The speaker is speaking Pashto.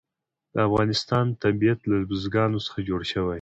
د افغانستان طبیعت له بزګانو څخه جوړ شوی دی.